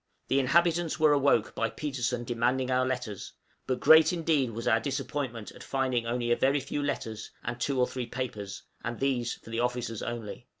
The inhabitants were awoke by Petersen demanding our letters, but great indeed was our disappointment at finding only a very few letters and two or three papers, and these for the officers only!